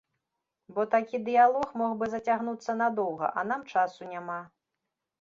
Бо такі дыялог мог бы зацягнуцца надоўга, а нам часу няма.